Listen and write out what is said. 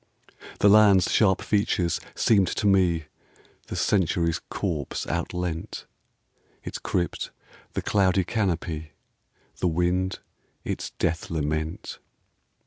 The land's sharp features seemed to me The Century's corpse outleant, Its crypt the cloudy canopy, The wind its death lament.